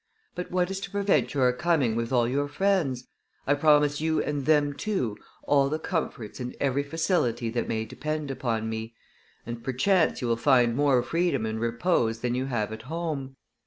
But what is to prevent your coming with all your friends? I promise you and them too all the comforts and every facility that may depend upon me; and perchance you will find more freedom and repose than you have at home.